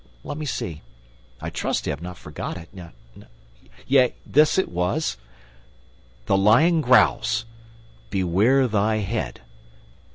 Let me see I trust I have forgot it not yea, thus it was: 'The lion growls. Beware thy head.'"